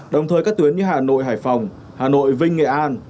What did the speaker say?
đồng thời các tuyến như hà nội hải phòng hà nội vinh nghệ an